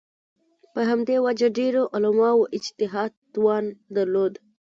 په همدې وجه ډېرو عالمانو اجتهاد توان درلود